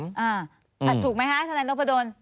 ผัดถูกไหมฮะท่านทนายโบดน